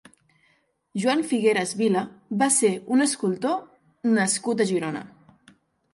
Juan Figueras Vila va ser un escultor nascut a Girona.